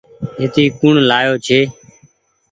پيتي ڪوڻ لآيو ڇي ۔